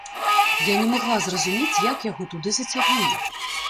Я не магла зразумець, як яго туды зацягнулі.